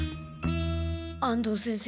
安藤先生